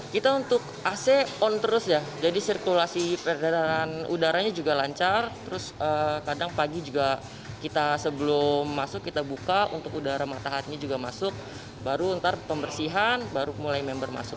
kita untuk ac on terus ya jadi sirkulasi perdanaran udaranya juga lancar terus kadang pagi juga kita sebelum masuk kita buka untuk udara mataharinya juga masuk baru ntar pembersihan baru mulai member masuk